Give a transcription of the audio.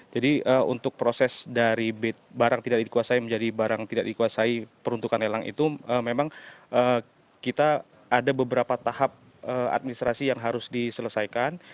jadi untuk proses dari barang tidak dikuasai menjadi barang tidak dikuasai peruntukan lelang itu memang kita ada beberapa tahap administrasi yang harus diselesaikan